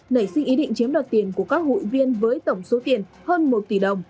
nảy sinh ý định chiếm đoạt tiền của các hụi viên với tổng số tiền hơn một tỷ đồng